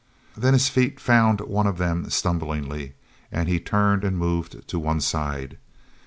Then his feet found one of them stumblingly, and he turned and moved to one side.